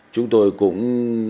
chúng tôi cũng